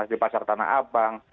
di pasar tanah abang